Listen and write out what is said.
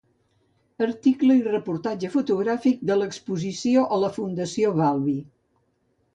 Article i reportatge fotogràfic de l'exposició a la Fundació Valvi.